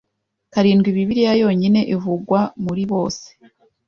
karindwi Bibiliya yonyine ivugwa muri bose